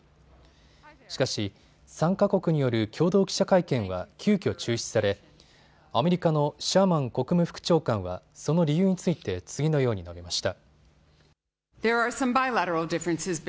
しかし、３か国による共同記者会見は急きょ中止されアメリカのシャーマン国務副長官は、その理由について次のように述べました。